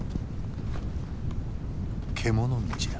獣道だ。